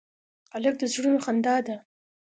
هلک د زړونو خندا ده.